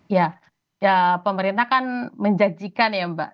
ya pemerintah kan menjanjikan ya mbak